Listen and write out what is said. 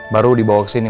baru dibawa kesini